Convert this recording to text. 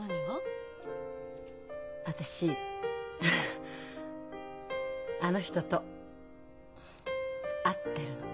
私あの人と会ってるの。